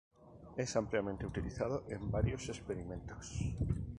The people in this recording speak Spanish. Es ampliamente utilizado en varios experimentos.